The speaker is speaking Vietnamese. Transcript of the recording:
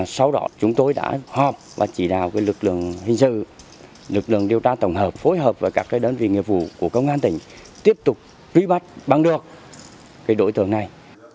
sau đó chúng tôi đã họp và chỉ đào lực lượng hình sự lực lượng điều tra tổng hợp phối hợp với các đơn vị nghiệp vụ của công an tỉnh tiếp tục truy bắt bằng được đối tượng này